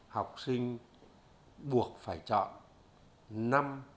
học sinh buộc phải chọn